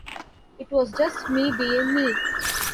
It was just me being me.